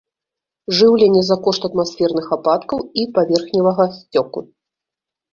Жыўленне за кошт атмасферных ападкаў і паверхневага сцёку.